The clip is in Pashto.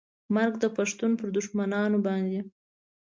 مرګ د پښتون پر دښمنانو باندې